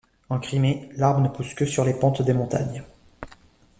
En Crimée, l'arbre ne pousse que sur les pentes des montagnes.